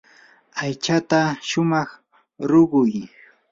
aychata shumaq ruquy.